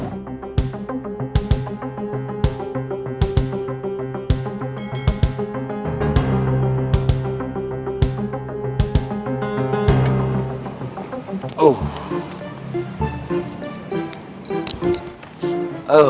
tungguon yang terakhir ini